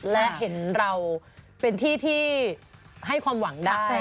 และเห็นเราเป็นที่ที่ให้ความหวังได้